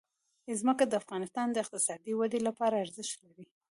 ځمکه د افغانستان د اقتصادي ودې لپاره ارزښت لري.